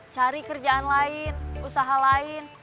cari kerjaan lain usaha lain